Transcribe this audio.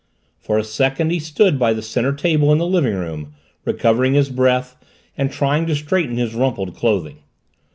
For a second he stood by the center table in the living room, recovering his breath and trying to straighten his rumpled clothing.